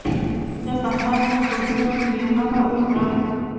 زه په هر څه پوهېږم بې غمه اوسه.